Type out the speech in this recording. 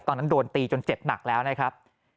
โดนตีจนเจ็บหนักแล้วนะครับ